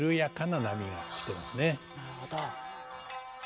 なるほど。